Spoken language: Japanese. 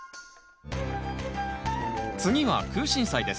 次はクウシンサイです。